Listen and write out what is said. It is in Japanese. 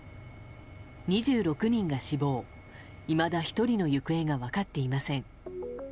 ２６人が死亡、いまだ１人の行方が分かっていません。